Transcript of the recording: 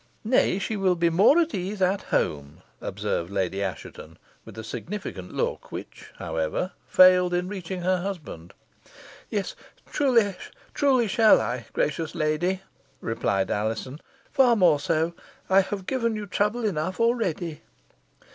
"Nay, she will be more at ease at home," observed Lady Assheton with a significant look, which, however, failed in reaching her husband. "Yes, truly shall I, gracious lady," replied Alizon, "far more so. I have given you trouble enough already."